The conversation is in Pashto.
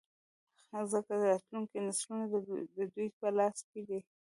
ځـکـه راتـلونکي نـسلونه د دوي پـه لاس کـې دي.